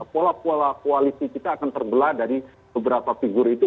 pola pola koalisi kita akan terbelah dari beberapa figur itu